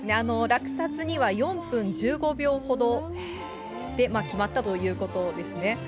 落札には４分１５秒ほどで決まったということですね。